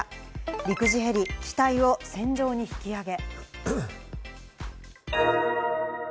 陸自ヘリ、機体を船上に引き揚げ。